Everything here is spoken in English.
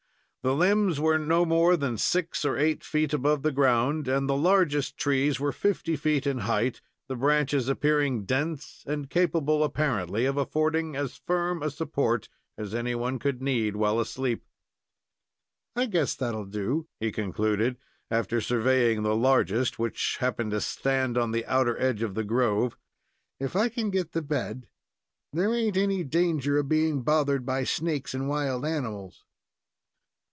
The limbs were no more than six or eight feet above the ground, and the largest trees were fifty feet in height, the branches appearing dense, and capable, apparently, of affording as firm a support as anyone could need while asleep. "I guess that will do," he concluded, after surveying the largest, which happened to stand on the outer edge of the grove. "If I can get the bed, there ain't any danger of being bothered by snakes and wild animals."